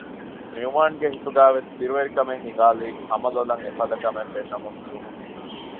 މިއުވާންގެ ހިތުގައިވެސް ބިރުވެރިކަމެއް ހިނގާލީ ހަމަލޮލަށް އެފަދަ ކަމެއް ފެންނަމުން ދިއުމުން